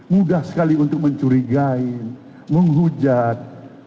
mudah sekali untuk mencurigai menghujat